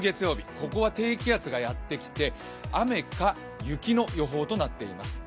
ここは低気圧がやってきて、雨か雪の予報となっています。